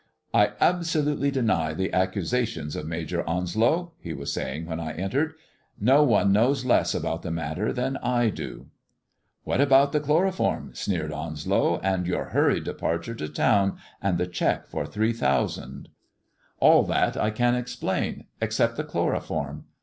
" I absolutely deny the accusations of Major Onslow," he was saying when I entered; "no one knows less about the matter than I do." THE IVOET LEO AND THE DIAMONDS 367 "What about the ohlorotormr SEeered Onalow, "and your hurried departure to town aud the cheque for three thousand t " All that I can explain except the chloroform.